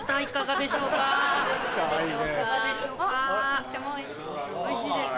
とってもおいしい。